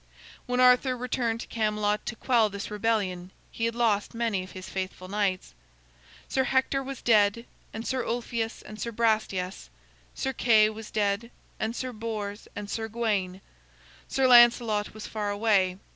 When Arthur returned to Camelot to quell this rebellion, he had lost many of his faithful knights. Sir Hector was dead, and Sir Ulfius and Sir Brastias; Sir Kay was dead, and Sir Bors, and Sir Gawain. Sir Lancelot was far away.